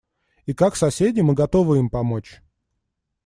И как соседи мы готовы им помочь.